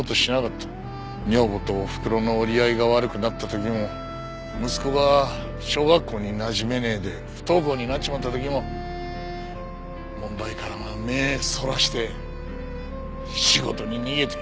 女房とおふくろの折り合いが悪くなった時も息子が小学校になじめねえで不登校になっちまった時も問題から目ぇそらして仕事に逃げて。